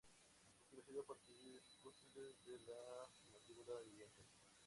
Es conocido a partir de fósiles de la mandíbula y dientes.